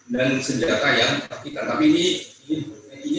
dan senjata yang rakitan tapi ini